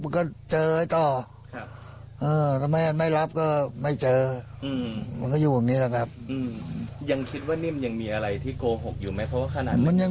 พ่อคิดว่าอีกเยอะเลย